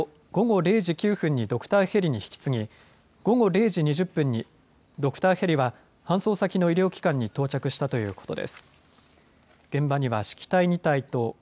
その後、午後０時９分にドクターヘリに引き継ぎ午後０時２０分にドクターヘリは搬送先の医療機関に到着したということです。